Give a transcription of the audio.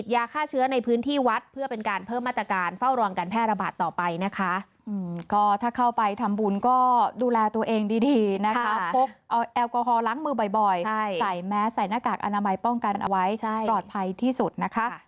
แม้ใส่หน้ากากอนามัยป้องกันเอาไว้กรอดภัยที่สุดนะคะ